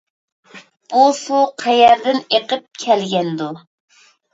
بۇ سۇ قەيەردىن ئېقىپ كەلگەندۇ؟